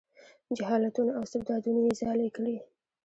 جهالتونو او استبدادونو یې ځالې کړي.